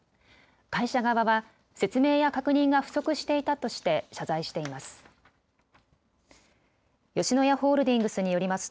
会社側は説明や確認が不足していたとして謝罪しています。